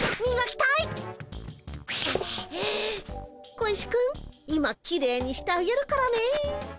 小石くん今きれいにしてあげるからね。